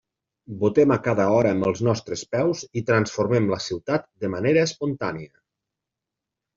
Votem a cada hora amb els nostres peus i transformem la ciutat de manera espontània.